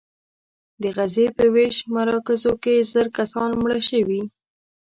د غزې په ویش مراکزو کې زر کسان مړه شوي.